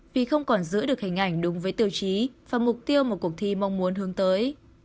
vì không còn giữ được hình ảnh đúng với tiêu chí và mục tiêu mà cuộc thi mong muốn hướng tới